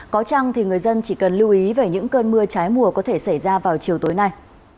có chăng thì người dân chỉ cần lưu ý về những cơn mưa trái mùa có thể xảy ra vào chiều tối nay